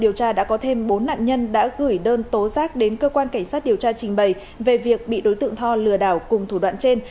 điều tra đã có thêm bốn nạn nhân đã gửi đơn tố giác đến cơ quan cảnh sát điều tra trình bày về việc bị đối tượng tho lừa đảo cùng thủ đoạn trên